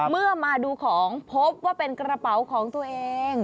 เมื่อมาดูของพบว่าเป็นกระเป๋าของตัวเอง